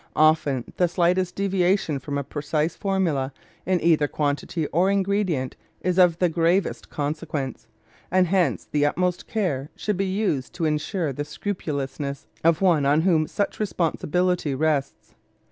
Often the slightest deviation from a precise formula in either quantity or ingredient is of the gravest consequence, and hence the utmost care should be used to insure the scrupulousness of one on whom such responsibility rests.